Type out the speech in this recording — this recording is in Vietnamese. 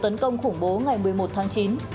tấn công khủng bố ngày một mươi một tháng chín